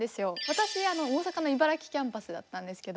私あの大阪のいばらきキャンパスだったんですけど。